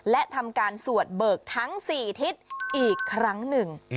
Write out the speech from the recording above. และทำการสวดเบิกทั้ง๔ทิศอีกครั้งหนึ่ง